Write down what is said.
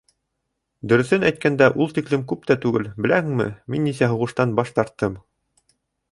Дөрөҫөн әйткәндә, ул тиклем күп тә түгел, Беләһеңме, мин нисә һуғыштан баш тарттым?